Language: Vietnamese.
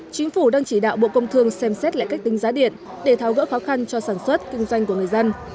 chính phủ đang chỉ đạo bộ công thương xem xét lại cách tính giá điện để tháo gỡ khó khăn cho sản xuất kinh doanh của người dân